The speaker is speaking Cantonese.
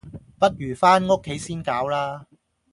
不如返屋企先搞啦